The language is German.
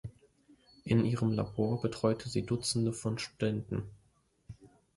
In ihrem Labor betreute sie Dutzende von Studenten.